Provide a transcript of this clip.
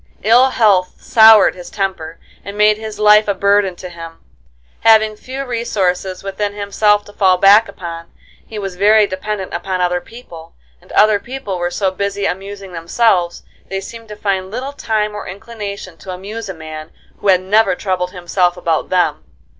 Ill health soured his temper and made his life a burden to him. Having few resources within himself to fall back upon, he was very dependent upon other people, and other people were so busy amusing themselves, they seemed to find little time or inclination to amuse a man who had never troubled himself about them.